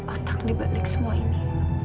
otak dibalik semua ini